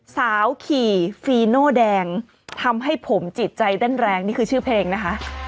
สาวขี่ฟีโน่แดงทำให้ผมจิตใจเต้นแรงนี่คือชื่อเพลงนะคะ